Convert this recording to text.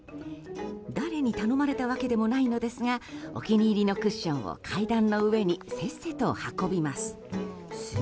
誰に頼まれたわけでもないのですがお気に入りのクッションを階段の上にせっせと運びます。